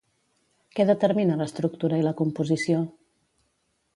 Què determina l'estructura i la composició?